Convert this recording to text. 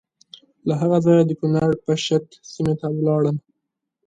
له هغه ځایه د کنړ پَشَت سیمې ته ولاړم.